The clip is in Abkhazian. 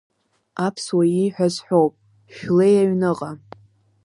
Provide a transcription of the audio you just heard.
Аԥсуа ииҳәаз ҳәоуп, шәлеи аҩныҟа.